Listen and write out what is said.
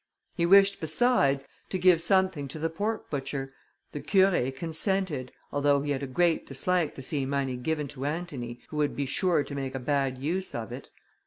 He wished, besides, to give something to the pork butcher. The Curé consented, although he had a great dislike to see money given to Antony, who would be sure to make a bad use of it.